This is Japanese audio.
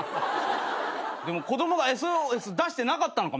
でも子供がＳＯＳ出してなかったのかもしんないよ。